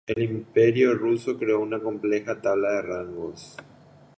El Imperio ruso creó una compleja tabla de rangos.